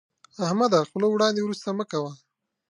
احمده، خوله وړاندې ورسته مه کوه.